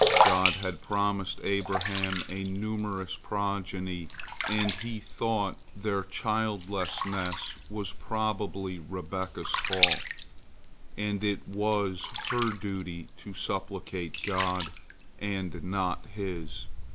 God had promised Abraham a numerous progeny, and he thought their childlessness was probably Rebekah's fault, and it was her duty to supplicate God, and not his.